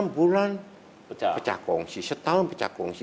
enam bulan pecah kongsi setahun pecah kongsi